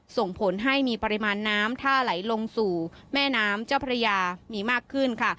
ส่งผลให้มีปริมาณน้ำถ้าไหลลงสู่แม่น้ำเจ้าพระยามีมากขึ้นค่ะ